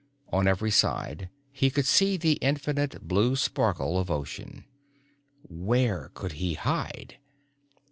On every side, he could see the infinite blue sparkle of ocean. Where could he hide?